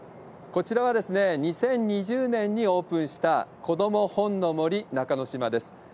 こちらは２０２０年にオープンした、子ども本の森中の島です。